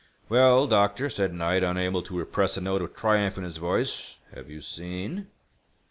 "Well, doctor," said Knight, unable to repress a note of triumph in his voice, "have you seen?"